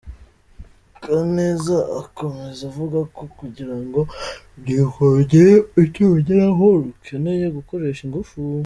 Kaneza akomeza avuga ko kugira ngo urubyiruko rugire icyo rugeraho, rukeneye gukoresha ingufu.